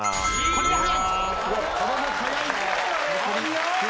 これは早い。